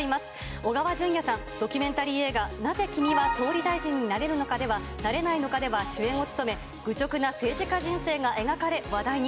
小川淳也さん、ドキュメンタリー映画、なぜ君は総理大臣になれるのかでは、なれないのかでは主役を務め、愚直な政治家人生が描かれ、話題に。